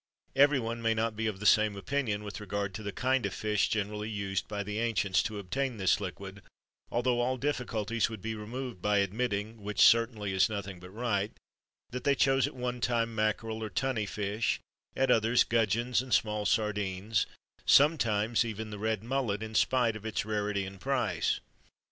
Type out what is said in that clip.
Everyone may not be of the same opinion with regard to the kind of fish generally used by the ancients to obtain this liquid, although all difficulties would be removed by admitting which certainly is nothing but right that they chose at one time mackerel or tunny fish; at others, gudgeons and small sardines; sometimes even the red mullet, in spite of its rarity and price.